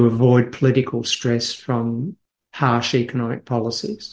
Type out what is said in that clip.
untuk mengelakkan stres politik dari polisi ekonomi yang keras